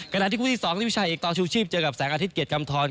ขณะที่คู่ที่๒ที่พี่ชายอีกต่อชูชีพเจอกับแสงอาทิตยเกียรติกำทร